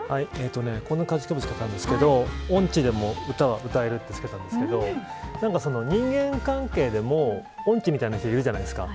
こんなキャッチコピーつけたんですけど音痴でも歌は歌えるってつけたんですけど人間関係でも音痴みたいな人いるじゃないですか。